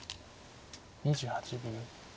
２８秒。